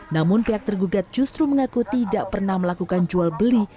namun pihak tergugat justru mengaku tidak pernah melakukan jual beli